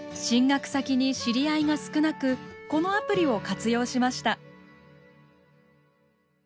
進学先に知り合いが少なくこのアプリを活用しました。